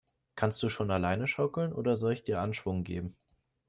Kannst du schon alleine schaukeln, oder soll ich dir Anschwung geben?